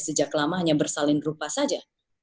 sejak lama hanya bersalin rupa saja